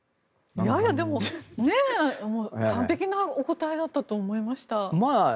完璧なお答えだったと思いました。